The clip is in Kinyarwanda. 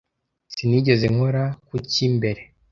Sinigeze nkora kuki mbere.